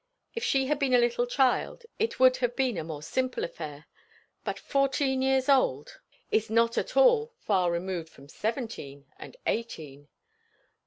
If she had been a little child it would have been a more simple affair; but fourteen years old is not at all far removed from seventeen, and eighteen.